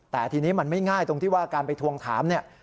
แต่ทีนี้มันไม่ง่ายตรงที่ว่าการไปทวงถามเนี่ย